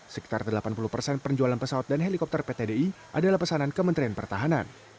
sekitar delapan puluh persen penjualan pesawat dan helikopter pt di adalah pesanan kementerian pertahanan